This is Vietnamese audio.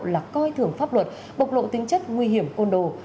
là coi thường pháp luật bộc lộ tính chất nguy hiểm ôn đồ